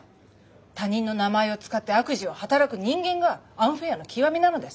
他人の名前を使って悪事を働く人間がアンフェアの極みなのです。